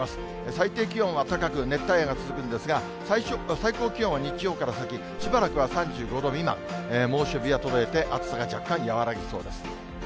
最低気温は高く、熱帯夜が続くんですが、最高気温は日曜から先、しばらくは３５度未満、猛暑日は途絶えて、暑さが若干、和らぎそうです。